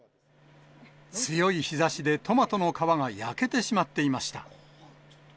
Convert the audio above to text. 強い日ざしで、トマトの皮が焼けてしまっていました。